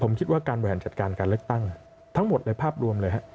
ผมคิดว่าการแหวนจัดการการเลือกตั้งทั้งหมดในภาพรวมเลยฮะ